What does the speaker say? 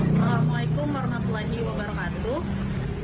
assalamualaikum warahmatullahi wabarakatuh